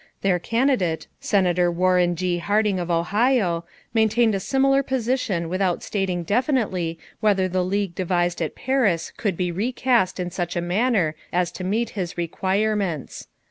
Their candidate, Senator Warren G. Harding of Ohio, maintained a similar position without saying definitely whether the League devised at Paris could be recast in such a manner as to meet his requirements.